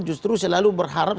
justru selalu berharap